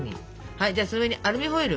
はいじゃその上にアルミホイル。